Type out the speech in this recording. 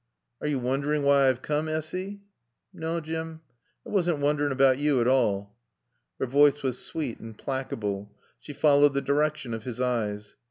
"Are yo' woondering why I've coom, Essy?" "Naw, Jim. I wasn't woondering about yo' at all." Her voice was sweet and placable. She followed the direction of his eyes.